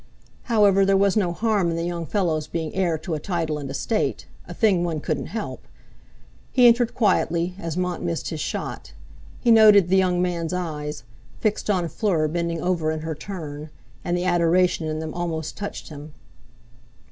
However, there was no harm in the young fellow's being heir to a title and estate—a thing one couldn't help. He entered quietly, as Mont missed his shot. He noted the young man's eyes, fixed on Fleur bending over in her turn; and the adoration in them almost touched him.